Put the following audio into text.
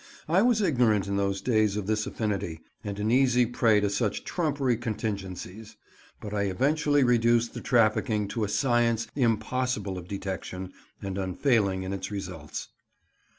I was ignorant in those days of this affinity, and an easy prey to such trumpery contingencies; but I eventually reduced the trafficking to a science impossible of detection, and unfailing in its results.